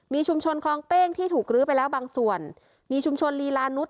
มีชุมชนคลองเป้งที่ถูกลื้อไปแล้วบางส่วนมีชุมชนลีลานุษย